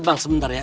bang sebentar ya